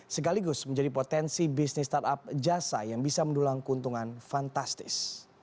sekaligus menjadi potensi bisnis startup jasa yang bisa mendulang keuntungan fantastis